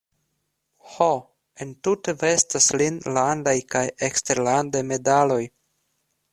Ho, entute vestas lin landaj kaj eksterlandaj medaloj.